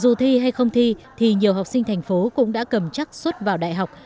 dù thi hay không thi thì nhiều học sinh thành phố cũng đã cầm chắc xuất vào đại học